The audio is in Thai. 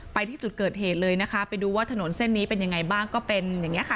ไปที่จุดเกิดเหตุเลยนะคะไปดูว่าถนนเส้นนี้เป็นยังไงบ้างก็เป็นอย่างนี้ค่ะ